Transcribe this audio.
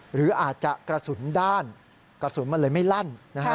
หรืออาจจะกระสุนด้านกระสุนมันเลยไม่ลั่น